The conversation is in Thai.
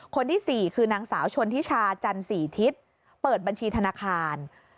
คนที่๔คือนางสาวชนทิชาจันสีทิศเปิดบัญชีธนาคาร